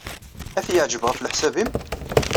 Ad t-yeɛjeb, ɣef leḥsab-nnem?